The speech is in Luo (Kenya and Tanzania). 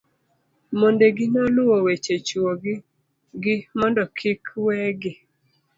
mondegi noluwo weche chuo gi mondo kik we gi